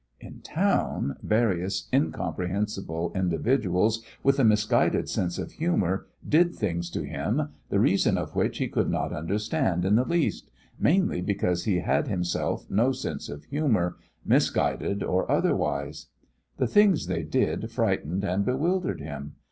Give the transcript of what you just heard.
In town, various incomprehensible individuals with a misguided sense of humour did things to him, the reason of which he could not understand in the least, mainly because he had himself no sense of humour, misguided or otherwise. The things they did frightened and bewildered him.